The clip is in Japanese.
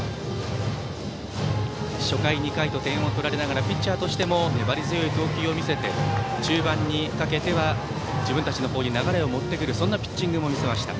初回２回と点を取られながらピッチャーとしても粘り強い投球を見せて中盤にかけては自分たちの方に流れを持ってくるそんなピッチングを見せました。